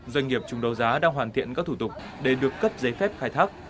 doanh nghiệp trùng đầu giá đang hoàn thiện các thủ tục để được cấp giấy phép khai thác